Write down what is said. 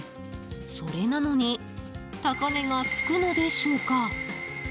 それなのに高値がつくのでしょうか。